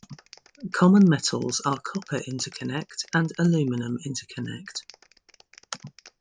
Common metals are copper interconnect and aluminum interconnect.